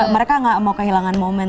mereka gak mau kehilangan momen